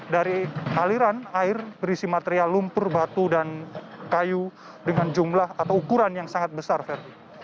dari aliran air berisi material lumpur batu dan kayu dengan jumlah atau ukuran yang sangat besar ferdi